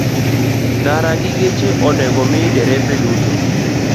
Ndara gi geche onego mi derepe duto.